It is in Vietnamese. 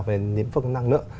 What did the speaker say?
về nền tảng năng lượng